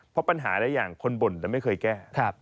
เพราะปัญหาหลายอย่างคนบ่นแต่ไม่เคยแก้